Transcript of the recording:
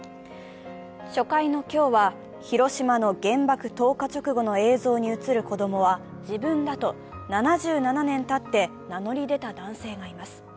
初回の今日は広島原爆投下直後の映像に映る子供は自分だと７７年たって名乗り出た男性がいます。